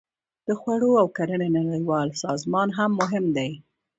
د خوړو او کرنې نړیوال سازمان هم مهم دی